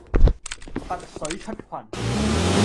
拔萃出群